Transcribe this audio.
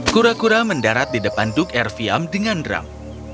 kura kura mendarat di depan duk airviam dengan drum